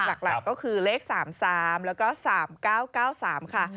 หลักก็คือเลข๓๓แล้วก็๓๙๙๓ค่ะ